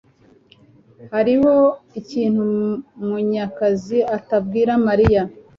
Hariho ikintu Munyakazi atabwira Mariya